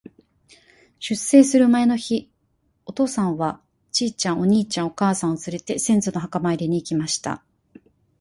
出征する前の日、お父さんは、ちいちゃん、お兄ちゃん、お母さんをつれて、先祖の墓参りに行きました。